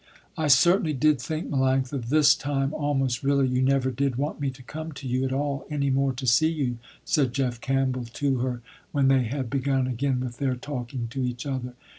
"I certainly did think, Melanctha, this time almost really, you never did want me to come to you at all any more to see you," said Jeff Campbell to her, when they had begun again with their talking to each other.